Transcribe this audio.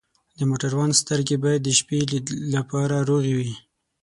د موټروان سترګې باید د شپې لید لپاره روغې وي.